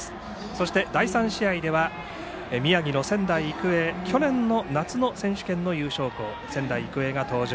そして第３試合では宮城の仙台育英去年夏の選手権優勝校の仙台育英が登場。